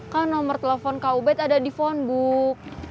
kan nomor telepon kubed ada di phonebook